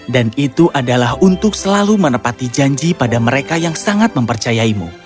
dan itu adalah untuk selalu menepati janji pada mereka yang sangat mempercayaimu